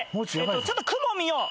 ちょっと雲見よう。